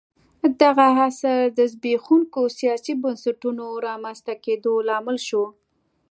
دغه عصر د زبېښونکو سیاسي بنسټونو رامنځته کېدو لامل شو